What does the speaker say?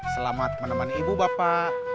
selamat menemani ibu bapak